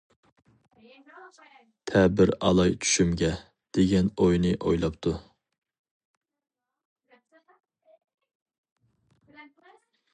«تەبىر ئالاي چۈشۈمگە» دېگەن ئوينى ئويلاپتۇ.